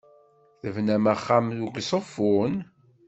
Tebnam axxam deg Uzeffun?